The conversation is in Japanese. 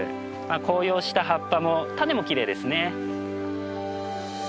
紅葉した葉っぱも種もきれいですね。